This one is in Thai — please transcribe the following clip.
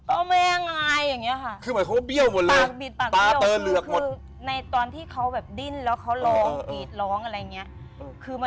อ้าวแม่ไงอย่างเงี้ยค่ะ